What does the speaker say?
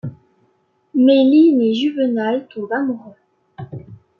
Mais Lynn et Juvenal tombent amoureux...